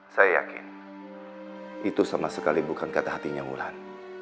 saya yakin itu sama sekali bukan kata hatinya wulan